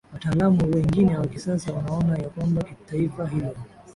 Wataalamu wengine wa kisasa wanaona ya kwamba taifa hilo